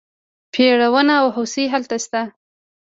پریړونه او هوسۍ هلته شته.